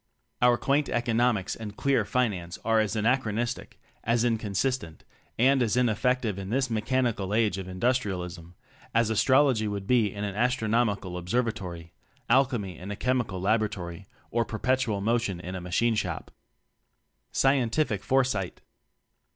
Our quaint "economics" and queer "finance" are as anachronistic, as inconsistent, and as ineffective in this Mechanical Age of Industrialism, as astrology would be in an astrono mical observatory, alchemy in a chemical laboratory or "perpetual mo tion" in a machine shop. Scientific Foresight.